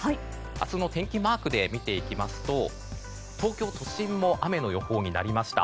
明日の天気マークで見ていきますと東京都心も雨の予報になりました。